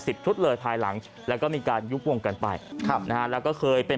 สิบชุดเลยภายหลังแล้วก็มีการยุควงกันไปแล้วก็เคยเป็น